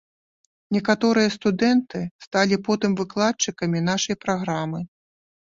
Некаторыя студэнты сталі потым выкладчыкамі нашай праграмы.